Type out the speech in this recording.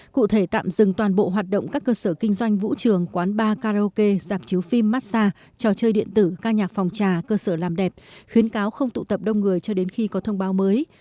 cụ thể tạm dừng toàn bộ hoạt động các cơ sở kinh doanh vũ trường quán bar karaoke giảm chiếu phim massage trò chơi điện tử ca nhạc phòng trà cơ sở làm đẹp khuyến cáo không tụ tập đông người cho đến khi có thông báo mới